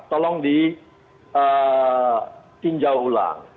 tolong di tinjau ulang